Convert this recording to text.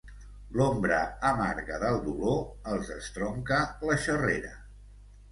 L'ombra amarga del dolor els estronca la xerrera.